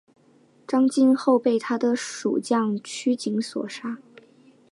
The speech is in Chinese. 张津后又被他的属将区景所杀。